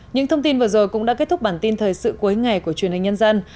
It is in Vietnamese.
những thông tin vừa rồi cũng đã kết thúc bản tin thời sự cuối ngày của truyền hình nhân dân